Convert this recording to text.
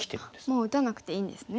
もう打たなくていいんですね。